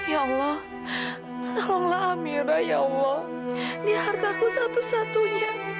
ya allah tolonglah amira ya allah dia hartaku satu satunya